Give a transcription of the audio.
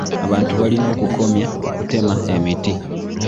Abantu balina okukomya okutema emiti.